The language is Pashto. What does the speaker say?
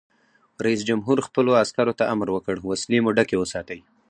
رئیس جمهور خپلو عسکرو ته امر وکړ؛ وسلې مو ډکې وساتئ!